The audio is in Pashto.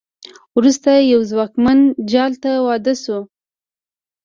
وروسته یوه ځواکمن جال ته واده شوه.